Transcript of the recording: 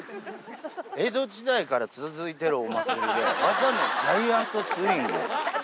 江戸時代から続いてるお祭りで、技名、ジャイアントスイング。